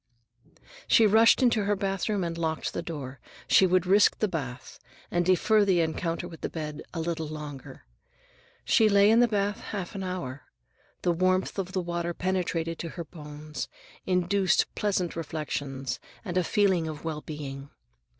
She rushed into her bathroom and locked the door. She would risk the bath, and defer the encounter with the bed a little longer. She lay in the bath half an hour. The warmth of the water penetrated to her bones, induced pleasant reflections and a feeling of well being.